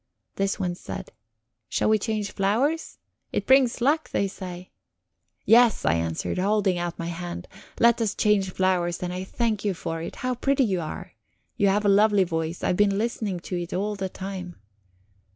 This one said: "Shall we change flowers? It brings luck, they say." "Yes," I answered, holding out my hand, "let us change flowers, and I thank you for it. How pretty you are! You have a lovely voice; I have been listening to it all the time."